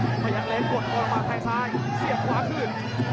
พยายามเล็กกดตัวลงมาแค่ซ้ายเสียบขวาขึ้น